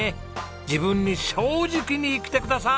自分に正直に生きてください。